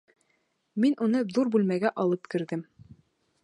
Мин уны ҙур бүлмәгә алып керҙем.